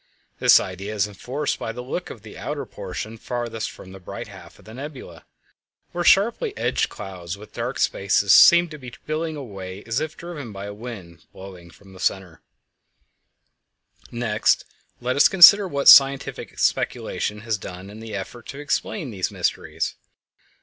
This idea is enforced by the look of the outer portion farthest from the bright half of the nebula, where sharply edged clouds with dark spaces behind seem to be billowing away as if driven by a wind blowing from the center. [Illustration: The Orion nebula] Next let us consider what scientific speculation has done in the effort to explain these mysteries.